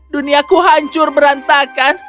duniaku hancur berantakan